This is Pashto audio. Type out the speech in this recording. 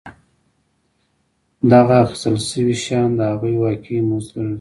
دغه اخیستل شوي شیان د هغوی واقعي مزد ګڼل کېږي